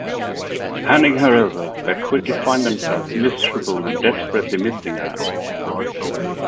Handing her over, they quickly find themselves miserable and desperately missing her.